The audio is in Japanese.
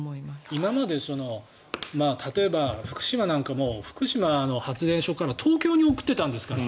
今まで福島なんかも福島の発電所から東京に送っていたんですから。